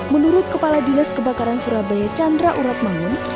menurut kepala dinas kebakaran surabaya chandra uratmangun